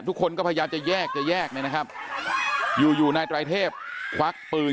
ทุกคนก็พยายามจะแยกจะแยกนะครับอยู่นายตรายเทพควักปืน